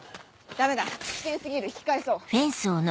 ダメだ危険過ぎる引き返そう。